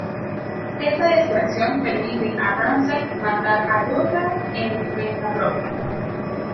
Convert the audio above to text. Esa distracción permite a Ramsay matar a Luther en defensa propia.